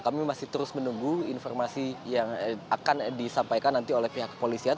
kami masih terus menunggu informasi yang akan disampaikan nanti oleh pihak kepolisian